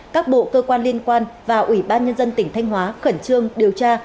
các bộ cơ quan liên quan và ủy ban nhân dân tỉnh thanh hóa khẩn trương điều tra